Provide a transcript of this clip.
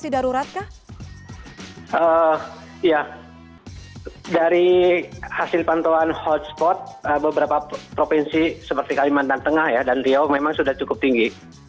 dari hasil pantauan hotspot beberapa provinsi seperti kalimantan tengah dan riau memang sudah cukup tinggi